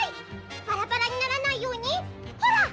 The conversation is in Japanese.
バラバラにならないようにほら！